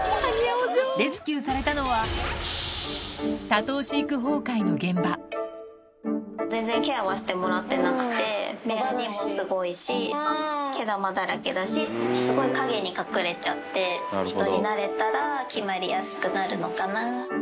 レスキューされたのは、多頭飼育全然ケアはしてもらってなくて、目ヤニもすごいし、毛玉だらけだし、すごい陰に隠れちゃって、人に慣れたら決まりやすくなるのかな。